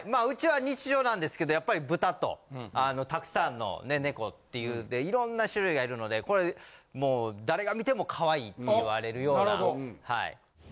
ウチは日常なんですけどやっぱり豚とたくさんの猫っていうんで色んな種類がいるのでこれもう誰が見ても可愛いって言われるような。